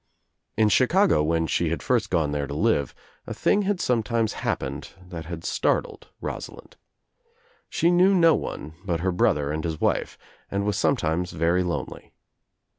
In Chicago when she had first gone there to live a thing had sometimes happened that had startled Rosa lind. She knew no one but her brother and his wife and was sometimes very lonely.